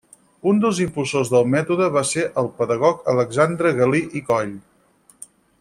Un dels impulsors del mètode va ser el pedagog Alexandre Galí i Coll.